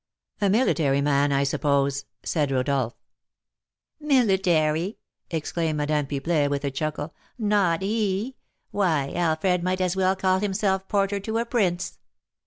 "A military man, I suppose?" said Rodolph. "Military!" exclaimed Madame Pipelet, with a chuckle. "Not he! Why, Alfred might as well call himself porter to a prince."